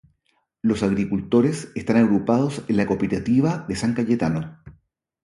Los agricultores están agrupados en la Cooperativa de San Cayetano.